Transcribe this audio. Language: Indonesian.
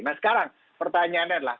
nah sekarang pertanyaannya adalah